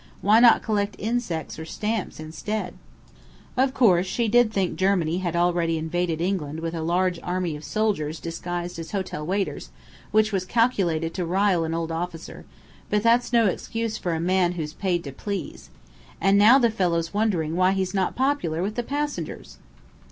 Why not collect insects or stamps instead?' Of course she did think Germany had already invaded England with a large army of soldiers disguised as hotel waiters, which was calculated to rile an old officer; but that's no excuse for a man who's paid to please. And now the fellow's wondering why he's not popular with the passengers!"